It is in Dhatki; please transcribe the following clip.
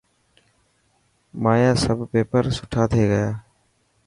مانيا سڀ پيپر سٺا ٿي گيا.